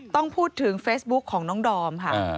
ต้องพูดถึงเฟซบุ๊กของน้องดอมค่ะ